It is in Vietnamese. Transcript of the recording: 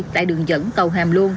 tại đường dẫn cầu hàm luông